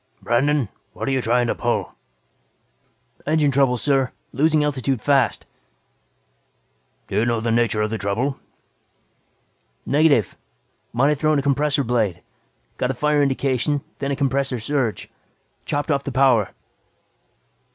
"Brandon, what're you trying to pull?" "Engine trouble, sir. Losing altitude fast." "Do you know the nature of the trouble?" "Negative. Might have thrown a compressor blade. Got a fire indication, then a compressor surge. Chopped off the power."